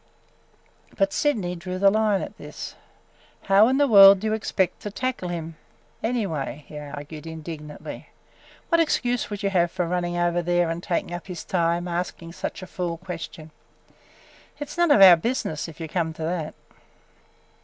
But Sydney drew the line at this. "How in the world do you expect to tackle him, anyway?" he argued indignantly. "What excuse would you have for running over there and taking up his time asking such a fool question? It 's none of our business, if you come to that!"